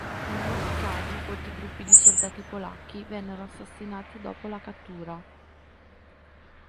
In molti casi folti gruppi di soldati polacchi vennero assassinati dopo la cattura.